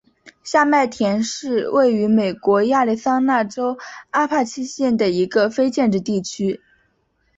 下麦田是位于美国亚利桑那州阿帕契县的一个非建制地区。